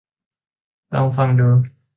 ลองฟังดู